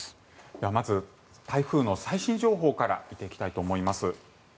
まず、台風の最新情報から見ていきたいと思います。